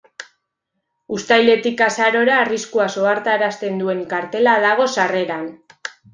Uztailetik azarora arriskuaz ohartarazten duen kartela dago sarreran.